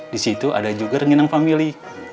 di situ ada juga ranginan family